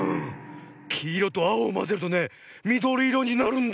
きいろとあおをまぜるとねみどりいろになるんだね。